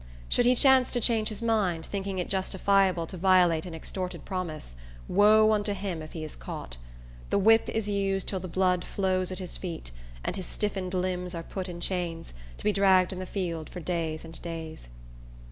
Should he chance to change his mind, thinking it justifiable to violate an extorted promise, woe unto him if he is caught! The whip is used till the blood flows at his feet; and his stiffened limbs are put in chains, to be dragged in the field for days and days!